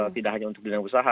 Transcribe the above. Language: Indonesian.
tidak hanya untuk dunia usaha